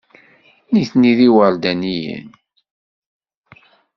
Nitni d iwerdaniyen.